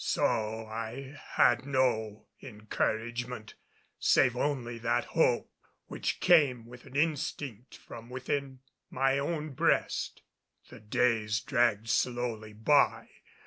So I had no encouragement, save only that hope which came like an instinct from my own breast. The days dragged slowly by.